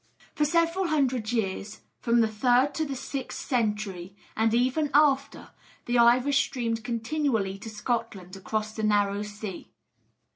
For several hundred years from the third to the sixth century, and even after the Irish streamed continually to Scotland across the narrow sea.